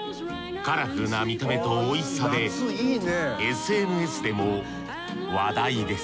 カラフルな見た目とおいしさでＳＮＳでも話題です